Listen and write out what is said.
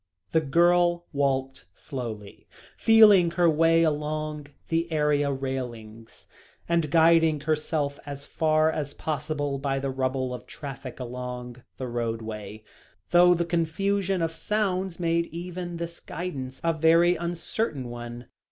The girl walked slowly, feeling her way along the area railings, and guiding herself as far as possible by the rumble of traffic along the roadway, though the confusion of sounds made even this guidance a very uncertain one.